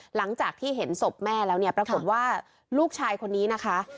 หลังจากที่เห็นศพแม่แล้วเนี่ยปรากฏว่าลูกชายคนนี้นะคะ